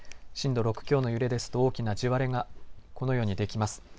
震度６強の揺れですと大きな地割れが、このようにできます。